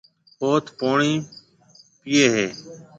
اوٿ پوڻِي پِئي هيَ۔